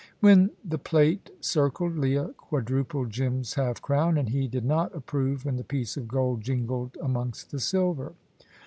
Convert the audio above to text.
When the plate circled, Leah quadrupled Jim's half crown, and he did not approve when the piece of gold jingled amongst the silver.